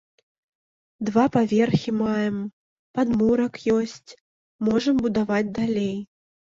Два паверхі маем, падмурак ёсць, можам будаваць далей.